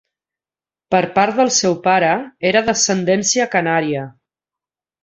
Per part del seu pare, era d'ascendència canària.